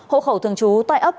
hộ khẩu thường trú tại ấp